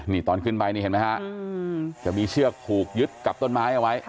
นี่ตอนขึ้นไปนี่เห็นไหมฮะจะมีเชือกผูกยึดกับต้นไม้เอาไว้